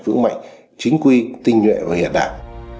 vững mạnh chính quy tinh nhuệ và hiện đại